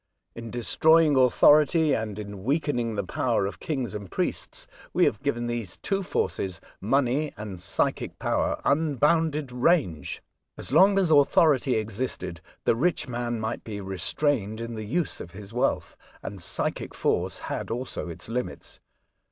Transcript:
In destroying authority, and in weakening the power of kings and priests, we have given these two forces — money and psychic power — un bounded range. As long as authority existed, the rich man might be restrained in the use of his wealth, and psychic force had also its limits.